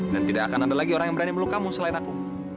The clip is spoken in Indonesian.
dan tidak akan ada lagi orang yang berani meluk kamu selain aku